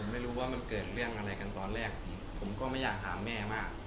ไม่รู้ว่ามันเกิดเรื่องอะไรกันตอนแรกผมก็ไม่อยากถามแม่มาก